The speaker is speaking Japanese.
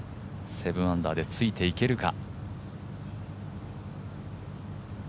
７アンダーでついていけるか。